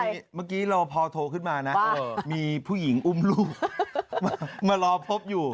เมื่อกี้เราพอโทรขึ้นมานะมีผู้หญิงอุ้มลูกมารอพบอยู่